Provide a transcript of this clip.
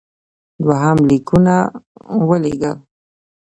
دوهم لیکونه ولېږل.